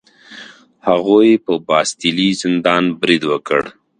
هغوی په باستیلي زندان برید وکړ.